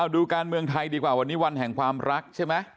ดูการเมืองไทยดีกว่าวันนี้วันแห่งความรักใช่ไหม